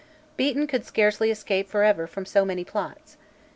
Beaton could scarcely escape for ever from so many plots.